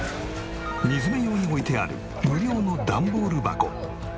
荷詰め用に置いてある無料の段ボール箱。